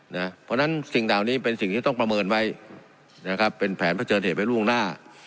เพราะฉะนั้นสิ่งเหล่านี้เป็นสิ่งที่ต้องประเมินไว้นะครับเป็นแผนเผชิญเหตุไว้ล่วงหน้า